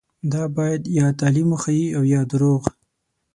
دا باید یا تعلیم وښيي او یا درواغ.